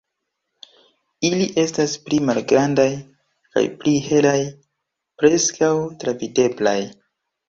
Ili estas pli malgrandaj kaj pli helaj, preskaŭ travideblaj.